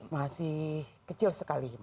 masih kecil sekali